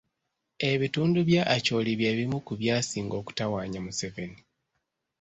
Ebitundu bya Acholi bye bimu ku byasinga okutawaanya Museveni.